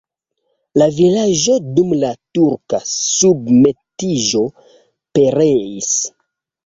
La vilaĝo dum la turka submetiĝo pereis.